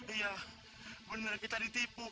iya benar kita ditipu